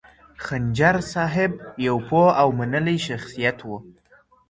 خنجر صاحب یو پوه او منلی شخصیت و.